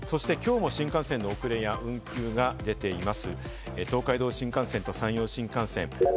そしてきょうも新幹線の遅れや運休が出ています。